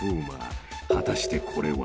［果たしてこれは］